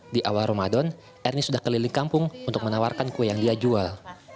di awal ramadan ernie sudah keliling kampung untuk menawarkan kue yang dia jual